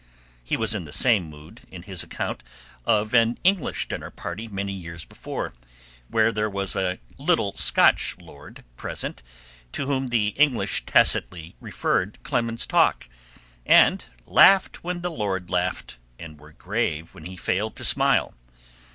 He was in the same mood in his account of an English dinner many years before, where there was a "little Scotch lord" present, to whom the English tacitly referred Clemens's talk, and laughed when the lord laughed, and were grave when he failed to smile.